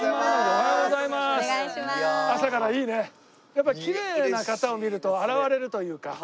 やっぱりキレイな方を見ると洗われるというか。